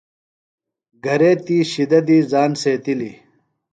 گھرے تی شِدہ دی زان سیتِلیۡ۔